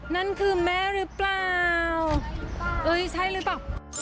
นั่นคือแม่หรือเปล่าใช่เลยป่ะ